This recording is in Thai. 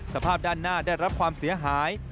สภาพด้านหน้าได้รับความเสียหาย